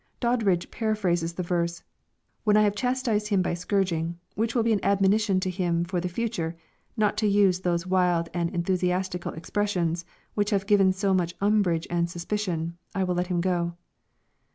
Doddridge paraphrases the verse, " When I have chastised Him by scourging, which will be an admonition to Him for the future not to use those wild and enthusiastical expressions, which have given so much umbrage and suspicion, I will let Him go."